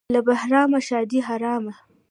له بهرامه ښادي حرامه.